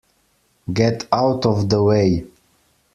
Get out of the way!